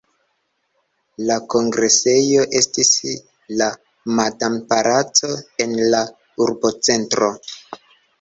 La kongresejo estis la Madam-palaco en la urbocentro.